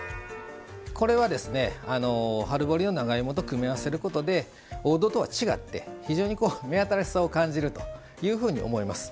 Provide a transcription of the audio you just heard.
これは春掘りの長芋と組み合わせることで王道とは違って非常に目新しさを感じるというふうに思います。